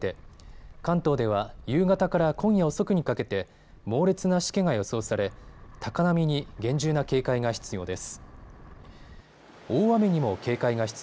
波も高く伊豆諸島ではきょう夕方にかけて、関東では夕方から今夜遅くにかけて猛烈なしけが予想され、高波に厳重な警戒が必要です。